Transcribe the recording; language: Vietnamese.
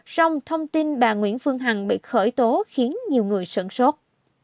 song thông tin bà nguyễn phương hằng bị khởi tố khiến nhiều người sợn sốt